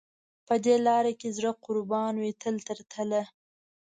په دې لار کې زړه قربان وي تل تر تله.